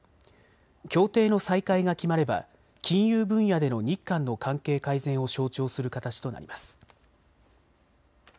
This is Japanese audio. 協定の再開が決まれば金融分野での日韓の関係改善を象徴する形となります。